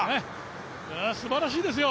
すばらしいですよ。